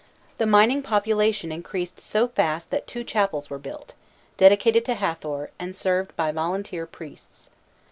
pl. 8. The mining population increased so fast that two chapels were built, dedicated to Hâthor, and served by volunteer priests.